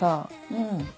うん。